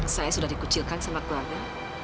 saya sudah dikucilkan sama keluarga